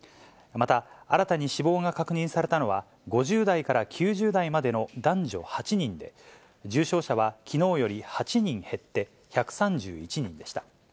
また、新たに死亡が確認されたのは、５０代から９０代までの男女８人で、重症者はきのうより８人減って１３１人でした。